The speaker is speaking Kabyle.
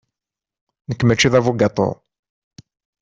Nekk, mačči d abugaṭu.